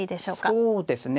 そうですね